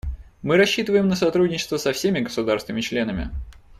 Мы рассчитываем на сотрудничество со всеми государствами-членами.